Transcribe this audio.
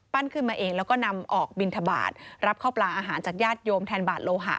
ขึ้นมาเองแล้วก็นำออกบินทบาทรับข้าวปลาอาหารจากญาติโยมแทนบาทโลหะ